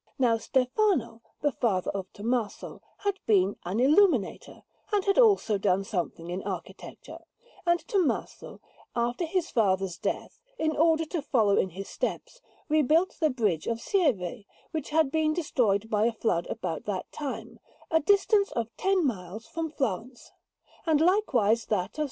Now Stefano, the father of Tommaso, had been an illuminator, and had also done something in architecture; and Tommaso, after his father's death, in order to follow in his steps, rebuilt the bridge of Sieve, which had been destroyed by a flood about that time, at a distance of ten miles from Florence, and likewise that of S.